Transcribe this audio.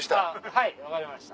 はい分かりました。